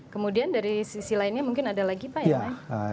kemudian dari sisi lainnya mungkin ada lagi pak ya